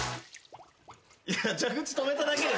いや蛇口とめただけですよ。